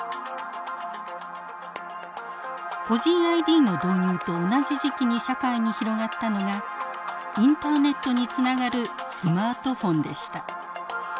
個人ＩＤの導入と同じ時期に社会に広がったのがインターネットにつながるスマートフォンでした。